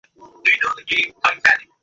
বীজ হইতে মহা মহীরুহ উৎপন্ন হয়।